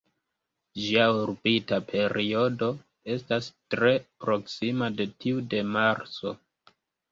Ĝia orbita periodo estas tre proksima de tiu de Marso.